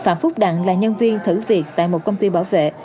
phạm phúc đặng là nhân viên thử việc tại một công ty bảo vệ